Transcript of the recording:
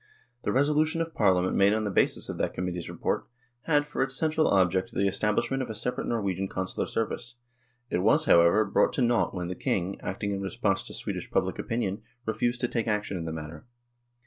The resolution of Parliament made on the basis of that Committee's report, had for its central object the establishment of a separate Nor wegian Consular service. It was, however, brought to nought when the King, acting in response to Swedish public opinion, refused to take action in the matter.